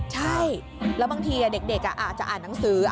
ใช่แล้วบางทีเด็กอาจจะอ่านหนังสือ